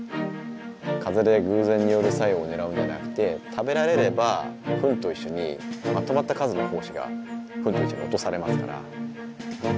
風で偶然による作用をねらうんじゃなくて食べられればフンと一緒にまとまった数の胞子がフンと一緒に落とされますから。